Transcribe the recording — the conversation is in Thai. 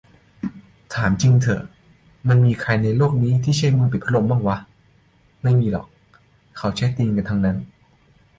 ถามจริงเถอะมันจะมีใครในโลกนี้ที่ใช้มือปิดพัดลมวะ ไม่มีหรอก เค้าก็ใช้ตีนกันทั้งนั้น